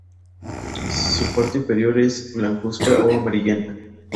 Su parte inferior es blancuzca o amarillenta.